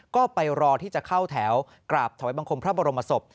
ก็ไปรอที่จะเข้าแถวกราบถอยบังคมพระบรมศพ